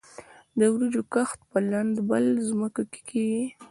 د وریجو کښت په لندبل ځمکو کې کیږي.